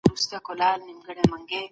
عدالت د هر نظام بقا ده.